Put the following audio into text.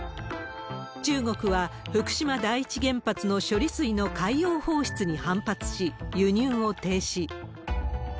中国は、福島第一原発の処理水の海洋放出に反発し、輸入を停止。